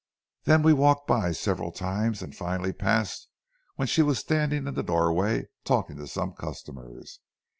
Then we walked by several times, and finally passed when she was standing in the doorway talking to some customers.